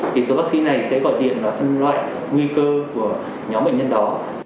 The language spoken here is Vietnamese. thì số bác sĩ này sẽ gọi điện là phần loại nguy cơ của nhóm bệnh nhân đó